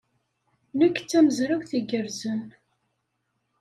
Nekk d tamezrawt igerrzen.